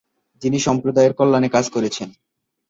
যিনি সম্প্রদায়ের কল্যাণে কাজ করেছেন।